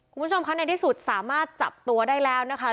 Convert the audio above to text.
คุณผู้ชมคะในที่สุดสามารถจับตัวได้แล้วนะคะ